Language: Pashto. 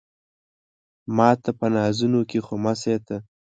ماته په نازونو کې خو مه شې ته